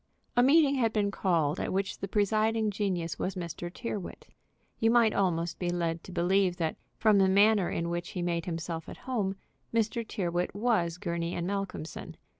A meeting had been called at which the presiding genius was Mr. Tyrrwhit. You might almost be led to believe that, from the manner in which he made himself at home, Mr. Tyrrwhit was Gurney & Malcolmson.